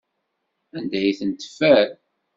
Anda ay ten-teffer?